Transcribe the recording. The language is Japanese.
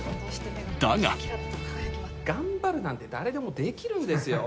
だが頑張るなんて誰でもできるんですよ。